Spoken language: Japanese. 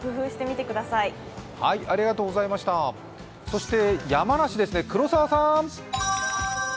そして山梨ですね、黒澤さん